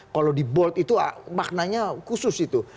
kalau di bold itu maknanya khusus itu